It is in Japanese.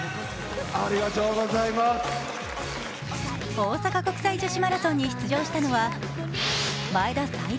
大阪国際女子マラソンに出場したのは前田彩里。